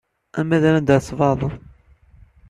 Arma d anda ara tesbeɛdeḍ?